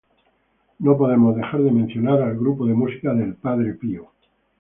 No podemos dejar de mencionar el grupo de música del Padre Pio.